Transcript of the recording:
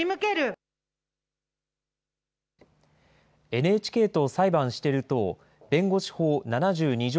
ＮＨＫと裁判してる党弁護士法７２条